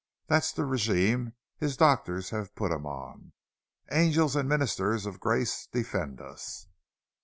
That's the regimen his doctors have put him on—angels and ministers of grace defend us!"